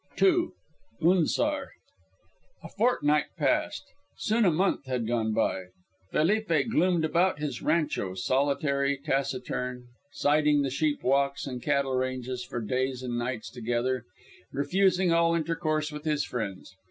II. UNZAR A fortnight passed. Soon a month had gone by. Felipe gloomed about his rancho, solitary, taciturn, siding the sheep walks and cattle ranges for days and nights together, refusing all intercourse with his friends.